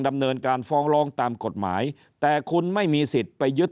ดำเนินการฟ้องร้องตามกฎหมายแต่คุณไม่มีสิทธิ์ไปยึด